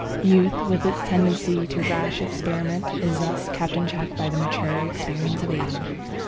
Youth, with its tendency to rash experiment, is thus kept in check by the mature experience of age.